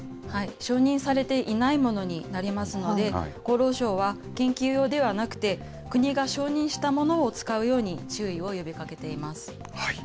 承認されていないものになりますので、厚労省は研究用ではなくて、国が承認したものを使うように注意を呼びかけています。